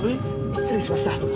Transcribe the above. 失礼しました。